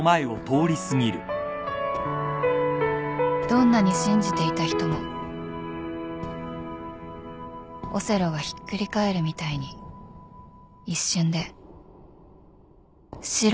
［どんなに信じていた人もオセロがひっくり返るみたいに一瞬で白が黒になる］